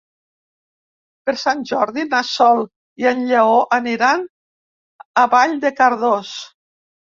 Per Sant Jordi na Sol i en Lleó aniran a Vall de Cardós.